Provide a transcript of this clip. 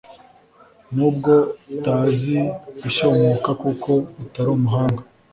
nubwo utazi gushyomoka kuko utari umuhanga,